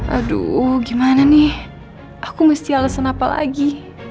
aduh gimana nih aku mesti alasan apa lagi